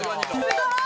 すごーい！